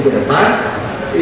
untuk menandatangani kompetisi depan